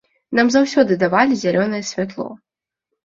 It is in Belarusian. Нам заўсёды давалі зялёнае святло.